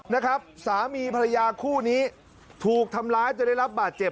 นะครับสามีภรรยาคู่นี้ถูกทำร้ายจนได้รับบาดเจ็บ